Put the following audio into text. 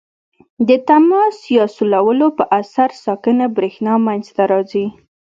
د تماس یا سولولو په اثر ساکنه برېښنا منځ ته راځي.